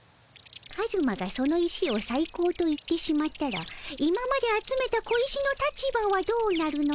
カズマがその石をさい高と言ってしまったら今まで集めた小石の立場はどうなるのじゃ？